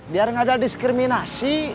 biar gak ada diskriminasi